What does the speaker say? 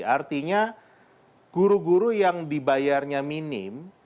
artinya guru guru yang dibayarnya minim